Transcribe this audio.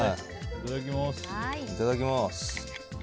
いただきます。